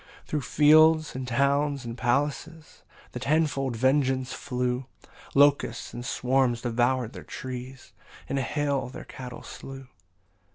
12 Thro' fields, and towns, and palaces, The tenfold vengeance flew; Locusts in swarms devour'd their trees, And hail their cattle slew.